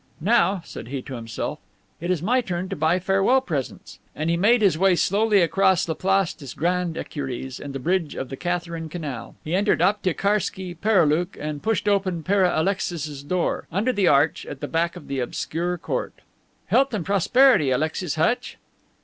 "Now," said he to himself, "it is my turn to buy farewell presents." And he made his way slowly across la Place des Grandes Ecuries and the bridge of the Katharine canal. He entered Aptiekarski Pereoulok and pushed open Pere Alexis's door, under the arch, at the back of the obscure court. "Health and prosperity, Alexis Hutch!"